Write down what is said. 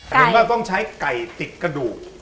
เห็นว่าต้องใช้ไก่ติดกระดูก